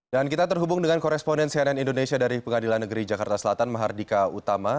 dan kita terhubung dengan koresponen cnn indonesia dari pengadilan negeri jakarta selatan mahardika utama